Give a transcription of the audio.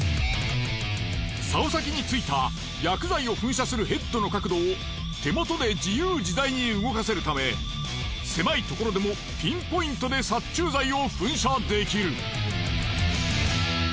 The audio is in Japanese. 竿先についた薬剤を噴射するヘッドの角度を手元で自由自在に動かせるため狭いところでもピンポイントで殺虫剤を噴射できる。